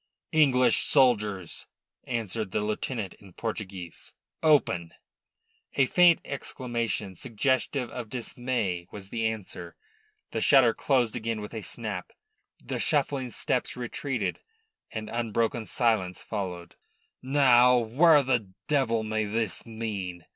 "English soldiers," answered the lieutenant in Portuguese. "Open!" A faint exclamation suggestive of dismay was the answer, the shutter closed again with a snap, the shuffling steps retreated and unbroken silence followed. "Now wharra devil may this mean?"